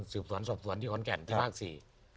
สืบสวนสอบสวนที่ขอนแก่นที่ภาคสี่